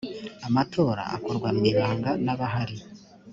amatora akorwa mu ibanga n’abahari